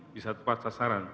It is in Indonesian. bisa tepat sasaran